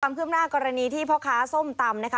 ความขึ้นหน้ากรณีที่พ่อค้าส้มตำ